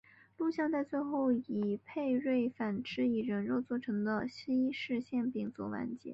录像带最后以佩芮反吃以人肉做成的西式馅饼作完结。